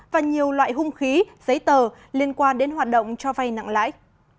và nhiều loại hung khí giấy tờ liên quan đến hoạt động cho vay nặng lãi